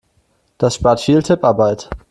Das spart viel Tipparbeit.